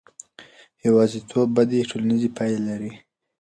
یوازیتوب بدې ټولنیزې پایلې لري.